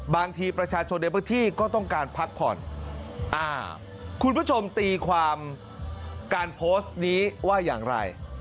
บางทีประชาชนในพื้นที่ก็ต้องการพักผ่อนอ่าคุณผู้ชมตีความการโพสต์นี้ว่าอย่างไร